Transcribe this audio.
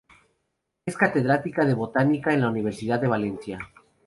Es catedrática de Botánica en la Universidad de Valencia.